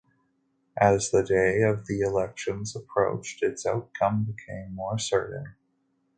As the day of the elections approached, its outcome became more certain.